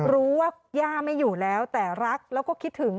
ย่าไม่อยู่แล้วแต่รักแล้วก็คิดถึง